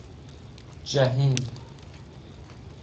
جحیم